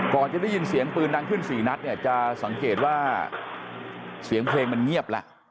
ก่อนจะได้ยินเสียงปืนดังขึ้น๔นัดเนี่ยจะสังเกตว่าเสียงเพลงมันเงียบแล้ว